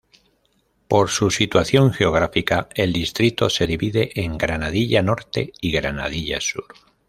Por su situación geográfica, el distrito se divide en Granadilla Norte y Granadilla Sur.